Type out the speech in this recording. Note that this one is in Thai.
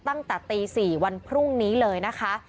ตั้งแต่ตี๔วันพรุ่งนี้เลยนะคะ